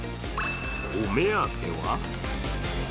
お目当ては？